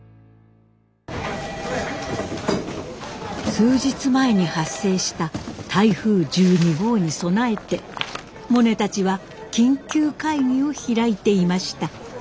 数日前に発生した台風１２号に備えてモネたちは緊急会議を開いていました。